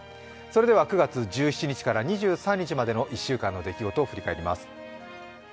９月１７日から２３日までの１週間の出来事を振り返ります。